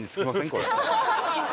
これ。